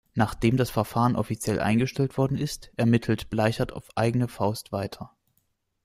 Nachdem das Verfahren offiziell eingestellt worden ist, ermittelt Bleichert auf eigene Faust weiter.